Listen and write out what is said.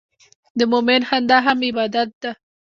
د مؤمن خندا هم عبادت ده.